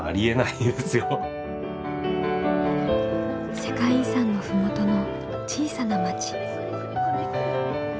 世界遺産の麓の小さな町。